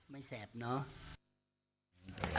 ไม่แสบเนาะ